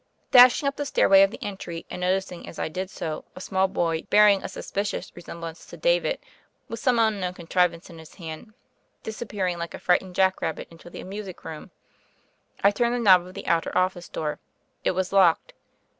Dashing up the stairway of the entry, and noticing as I did so a small boy bearing a sus picious resemblance to David, with some un known contrivance in his hand, disappearing like a frightened jack rabbit into the music room, I turned the knob of the outer office door. It was locked.